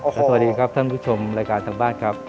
สวัสดีครับท่านผู้ชมรายการทางบ้านครับ